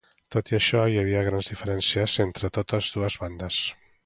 Tot i això, hi havia grans diferències entre totes dues bandes.